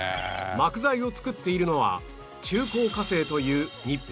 膜材を作っているのは中興化成という日本の企業